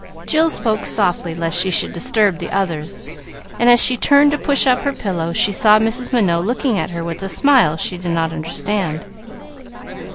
Jill spoke softly lest she should disturb the others, and, as she turned to push up her pillow, she saw Mrs. Minot looking at her with a smile she did not understand.